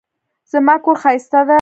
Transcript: زما کور ښايسته دی